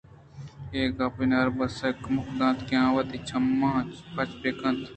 اے گپ بناربس ءَ کمک دنت کہ آوتی چماں پچ بہ کنت